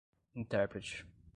intérprete